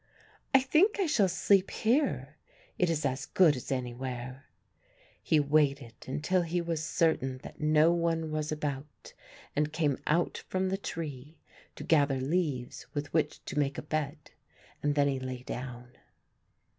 "I think I shall sleep here, it is as good as anywhere." He waited until he was certain that no one was about and came out from the tree to gather leaves with which to make a bed and then he lay down.